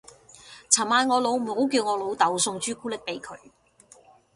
尋晚我老母叫我老竇送朱古力俾佢